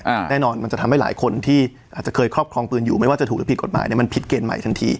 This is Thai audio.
แน่นอนมันจะทำให้หลายคนที่อาจจะเคยครอบครองปืนอยู่ไม่ว่าจะถูกหรือผิดกฎหมายเนี้ยมันผิดเกณฑ์ใหม่ทันที